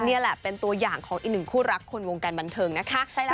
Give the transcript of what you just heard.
นี่แหละเป็นตัวอย่างของอีกหนึ่งคู่รักคนวงการบันเทิงนะคะ